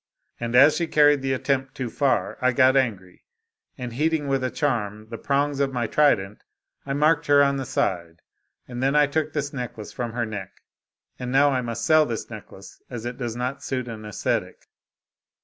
And as she car ried the attempt too far, I got angry, and heating with a charm the prongs of my trident, I marked her on the side. And then I took this necklace from her neck. And now I must sell this necklace, as it does not suit an ascetic."